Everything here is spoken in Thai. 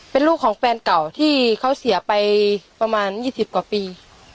เป็นลูกของแฟนเก่าที่เขาเสียไปประมาณ๒๐กว่าปี